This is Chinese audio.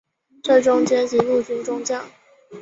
最终阶级陆军中将。